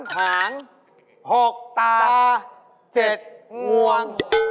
หาง๖ตา๗งวง